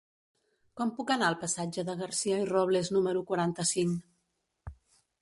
Com puc anar al passatge de Garcia i Robles número quaranta-cinc?